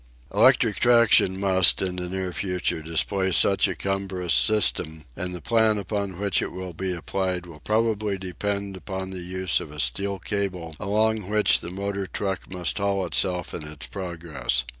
Electric traction must, in the near future, displace such a cumbrous system, and the plan upon which it will be applied will probably depend upon the use of a steel cable along which the motor truck must haul itself in its progress.